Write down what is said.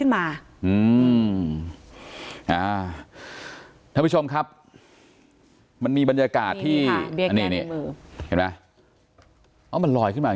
บางคนมันแบบขยับรอยขึ้นมา